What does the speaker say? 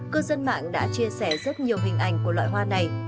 cư dân mạng đã chia sẻ rất nhiều hình ảnh của loại hoa này